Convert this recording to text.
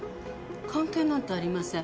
関係なんてありません。